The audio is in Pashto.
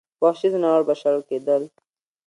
وحشي ځناور به شړل کېدل.